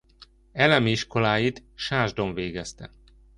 Elemi iskoláit Sásdon végezte.